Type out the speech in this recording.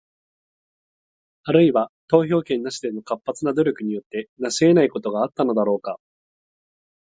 あるいは、投票権なしでの活発な努力によって成し得ないことがあったのだろうか？